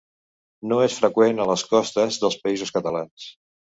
No és freqüent a les costes dels Països Catalans.